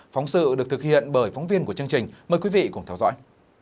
phóng sự được thực hiện bởi phóng viên của chương trình mời quý vị cùng theo dõi